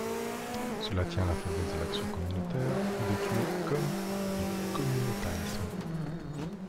Cela tient à la faiblesse de l'action communautaire, vécue comme du communautarisme.